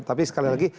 tapi sekali lagi